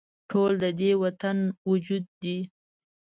ټول د دې وطن وجود دي